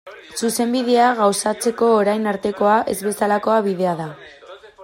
Zuzenbidea gauzatzeko orain artekoa ez bezalako bidea da.